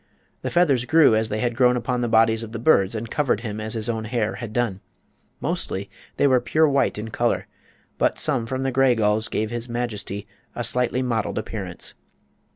The feathers grew as they had grown upon the bodies of the birds and covered him as his own hair had done. Mostly they were pure white in color, but some from the gray gulls gave his majesty a slight mottled appearance.